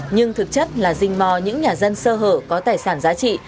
nhưng thực chất là rình mò những nhà dân sơ hở có tài sản giá trị